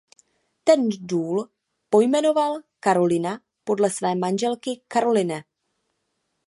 Ten důl pojmenoval Karolina podle své manželky Caroline.